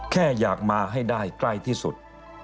แค่อยากมาให้ได้ใกล้ที่สุด